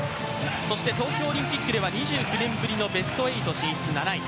そして東京オリンピックでは２９年ぶりのベスト８進出７位。